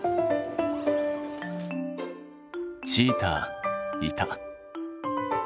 チーターいた。